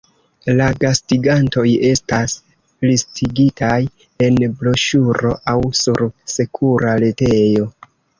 La gastigantoj estas listigitaj en broŝuro aŭ sur sekura retejo.